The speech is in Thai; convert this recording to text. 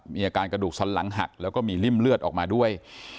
มีอาการกระดูกสันหลังหักแล้วก็มีริ่มเลือดออกมาด้วย